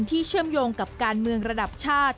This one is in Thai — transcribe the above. เชื่อมโยงกับการเมืองระดับชาติ